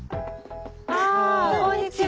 あこんにちは。